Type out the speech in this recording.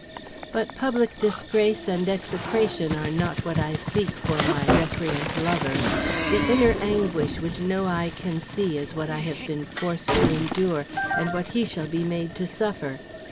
But public disgrace and execration are not what I seek for my recreant lover. The inner anguish which no eye can see is what I have been forced to endure and what he shall be made to suffer.